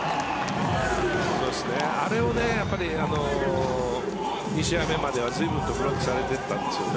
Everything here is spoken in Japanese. あれを２試合目までは随分とブロックされていたんです。